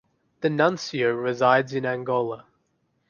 The nuncio resides in Angola.